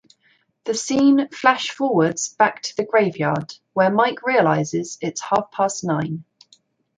The scene flash-forwards back to the graveyard, where Mike realizes its half-past nine.